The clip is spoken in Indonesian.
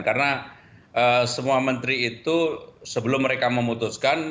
karena semua menteri itu sebelum mereka memutuskan